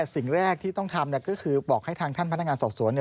สิ่งแรกที่ต้องทำก็คือบอกให้ทางท่านพนักงานสอบสวน